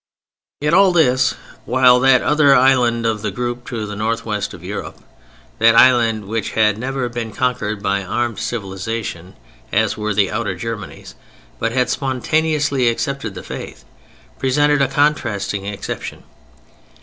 Yet all this while that other island of the group to the Northwest of Europe, that island which had never been conquered by armed civilization as were the Outer Germanies, but had spontaneously accepted the Faith, presented a contrasting exception.